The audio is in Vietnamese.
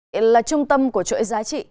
đây là trung tâm của chuỗi giá trị